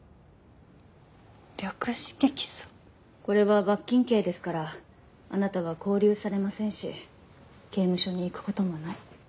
これは罰金刑ですからあなたは勾留されませんし刑務所に行く事もない。